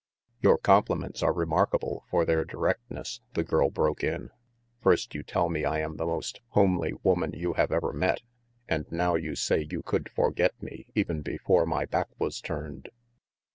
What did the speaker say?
"Your compliments are remarkable for their directness," the girl broke in. "First you tell me I am the most homely woman you have ever met, and now you say you could forget me even before my back was turned."